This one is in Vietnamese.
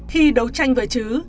khi đấu tranh với trứ